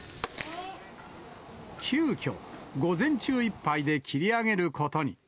急きょ、午前中いっぱいで切り上げることに。